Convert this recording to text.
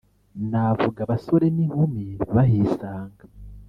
navuga abasore n’inkumi bahisanga